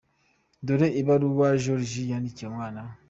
Dore ibaruwa Joriji yandikiye umwana we:.